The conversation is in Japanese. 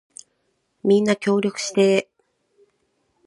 みんな協力してー